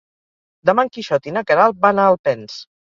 Demà en Quixot i na Queralt van a Alpens.